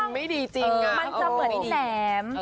มันจะเหมือนแหลม